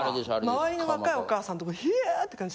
周りの若いお母さんとかヒャーッて感じ。